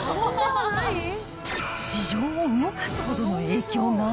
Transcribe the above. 市場を動かすほどの影響が？